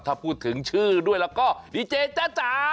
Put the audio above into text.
ถ้าพูดถึงชื่อด้วยแล้วก็ดีเจจ๊ะจ๋า